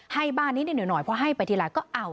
ให้บ้านนิดหน่อยเพราะให้ไปทีไรก็เอา